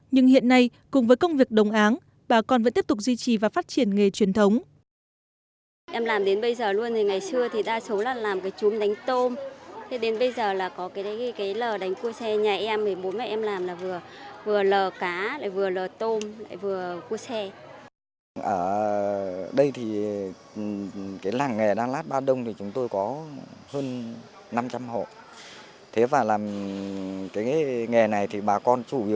nhưng hiện nay cùng với công việc đồng áng bà con vẫn tiếp tục duy trì và phát triển nghề truyền thống